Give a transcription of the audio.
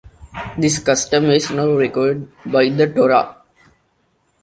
This custom is not required by the Torah.